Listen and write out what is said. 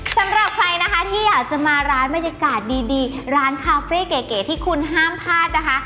สำหรับใครนะคะที่อยากจะมาร้านบรรยากาศดีร้านคาเฟ่เก๋ที่คุณห้ามพลาดนะคะ